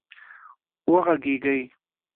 وږغېږئ